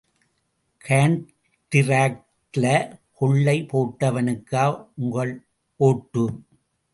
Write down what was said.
காண்டிராக்ட்ல கொள்ளை போட்டவனுக்கா உங்கள் ஒட்டு?